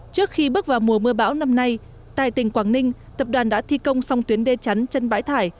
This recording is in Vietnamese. trước khi bước vào mùa mưa bão năm nay tại tỉnh quảng ninh tập đoàn đã thi công song tuyến đê chắn chân bãi thải